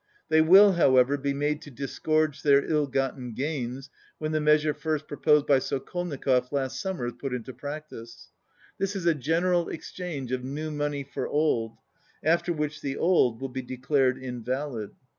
They will, however, be made to disgorge their ill gotten gains when the measure first proposed by Sokolnikov last summer is put into practice. This is a general exchange of new money for old, after which the old will be declared invalid.